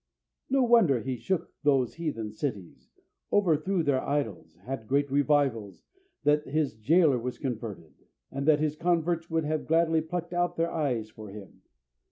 No wonder he shook those heathen cities, overthrew their idols, had great revivals, that his jailer was converted, and that his converts would have gladly plucked out their eyes for him!